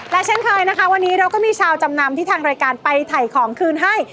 และเช่นเคยนะคะวันนี้เราก็มีชาวจำนำที่ทางรายการไปถ่ายของคืนให้